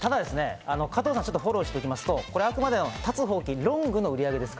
加藤さんのフォローをしておきますと、あくまでも、立つほうきロングの売上です。